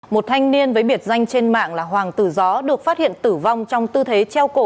một thanh niên với biệt danh trên mạng là hoàng tử gió được phát hiện tử vong trong tư thế treo cổ